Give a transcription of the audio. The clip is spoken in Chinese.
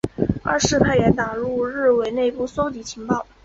二是派员打入日伪内部搜集情报。